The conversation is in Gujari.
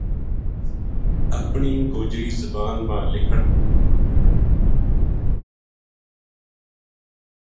اپنی گوجری زبان ما لکھن